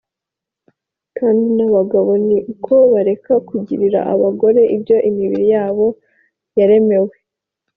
Kandi n’abagabo ni uko bareka kugirira abagore ibyo imibiri yabo yaremewe